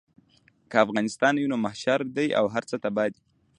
که افغانستان نه وي نو محشر دی او هر څه تباه دي.